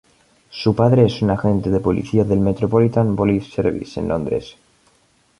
Su padre es un agente de policía del Metropolitan Police Service en Londres.